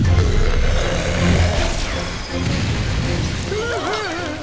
うわぁっ！